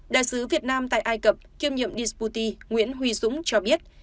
đại sứ việt nam tại ai cập kiêm nhiệm dsputy nguyễn huy dũng cho biết